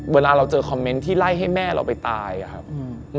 เวลาเราเจอคอมเมนต์ที่ไล่ให้แม่เราไปตายอะครับ